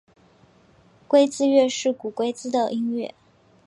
龟兹乐是古龟兹的音乐。